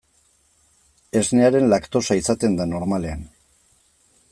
Esnearen laktosa izaten da, normalean.